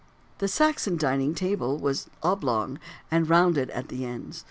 The Saxon dining table was oblong, and rounded at the ends.